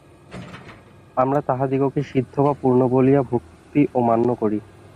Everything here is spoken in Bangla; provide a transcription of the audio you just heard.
আমরা তাঁহাদিগকে সিদ্ধ বা পূর্ণ বলিয়া ভক্তি ও মান্য করি।